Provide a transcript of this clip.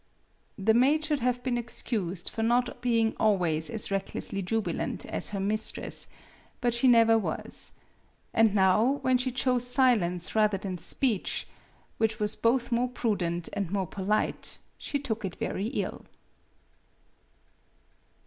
" The maid should have been excused for not being always as recklessly jubilant as her mistress ; but she never was. And now, when she chose silence rather than speech (which was both more prudent and more polite), she took it very ill.